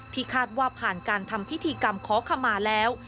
คาดว่าผ่านการทำพิธีกรรมขอขมาแล้ว